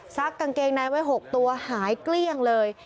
กางเกงในไว้๖ตัวหายเกลี้ยงเลย